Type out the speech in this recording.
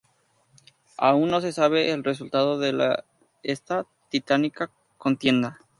Aún no se sabe el resultado de esta titánica contienda.